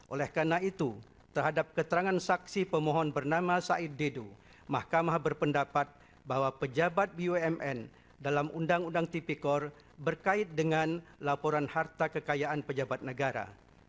oleh karena itu terhadap keterangan saksi pemohon bernama said dedu mahkamah berpendapat bahwa pejabat bumn dalam undang undang tipikor berkait dengan laporan harta kekayaan pejabat negara